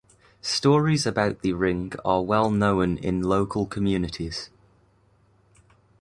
Stories about the ring are well known in local communities.